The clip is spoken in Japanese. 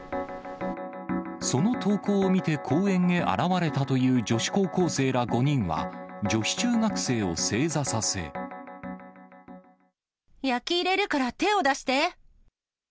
その投稿を見て公園へ現れたという女子高校生ら５人は、ヤキ入れるから手を出して。